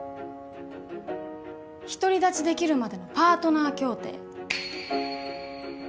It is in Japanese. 「独り立ちできるまでのパートナー協定」。